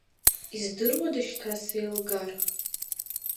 Издыруада шьҭа сеилгар?!